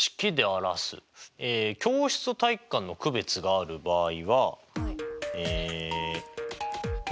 教室と体育館の区別がある場合は。